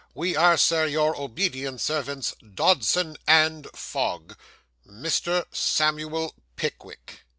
We are, Sir, Your obedient servants, Dodson & Fogg. Mr. Samuel Pickwick.